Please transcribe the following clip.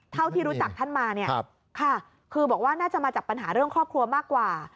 เท่าที่รู้จักท่านมาเนี่ยค่ะคือบอกว่าน่าจะมาจากปัญหาเรื่องครอบครัวมากกว่า